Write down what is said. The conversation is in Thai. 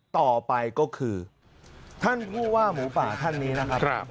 ต่อไปก็คือท่านผู้ว่าหมูป่าท่านนี้นะครับ